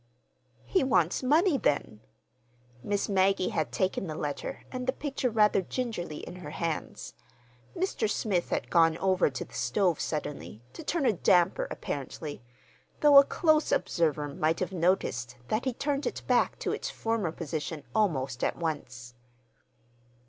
"He wants money, then?" Miss Maggie had taken the letter and the picture rather gingerly in her hands. Mr. Smith had gone over to the stove suddenly—to turn a damper, apparently, though a close observer might have noticed that he turned it back to its former position almost at once.